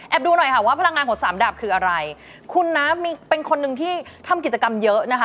ดูหน่อยค่ะว่าพลังงานของสามดาบคืออะไรคุณนะมีเป็นคนหนึ่งที่ทำกิจกรรมเยอะนะคะ